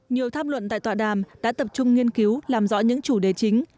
nhiều tham luận tại tọa đàm đã tập trung nghiên cứu làm rõ những chủ đề chính